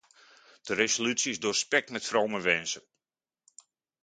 De resolutie is doorspekt met vrome wensen.